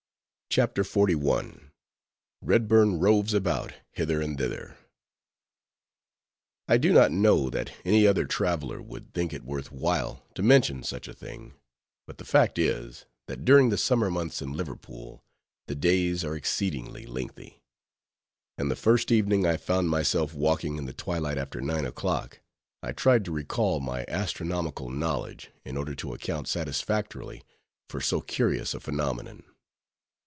CHAPTER XLI. REDBURN ROVES ABOUT HITHER AND THITHER I do not know that any other traveler would think it worth while to mention such a thing; but the fact is, that during the summer months in Liverpool, the days are exceedingly lengthy; and the first evening I found myself walking in the twilight after nine o'clock, I tried to recall my astronomical knowledge, in order to account satisfactorily for so curious a phenomenon.